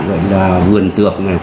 rồi là vườn tược này